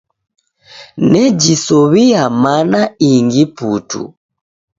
Nejisow'ia mana ingi putu.